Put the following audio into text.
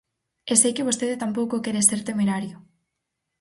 E sei que vostede tampouco quere ser temerario.